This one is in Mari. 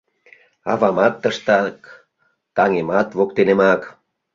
Авамат тыштак, таҥемат воктенемак...